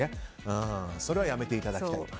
それはやめていただきたいと。